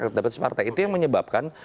dan mendapatkan partai itu yang menyebabkan